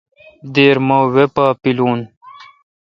دیر مہ وی پا پیلو۔